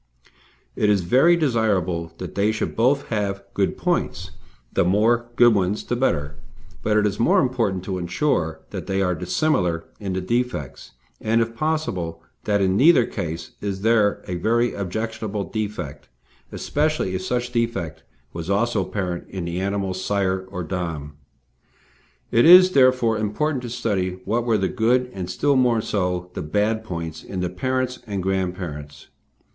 It is very desirable that they should both have good points, the more good ones the better, but it is more important to ensure that they are dissimilar in their defects, and, if possible, that in neither case is there a very objectionable defect, especially if such defect was also apparent in the animal's sire or dam. [Illustration: MRS. VALE NICOLAS'S NEWFOUNDLAND CH. SHELTON VIKING Photograph by T. Fall] It is, therefore, important to study what were the good, and still more so the bad, points in the parents and grandparents.